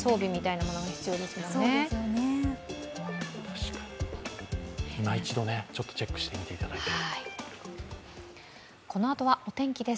いま一度チェックしてみていただいて。